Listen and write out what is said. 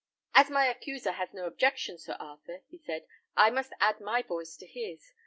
"As my accuser has no objection, Sir Arthur," he said, "I must add my voice to his.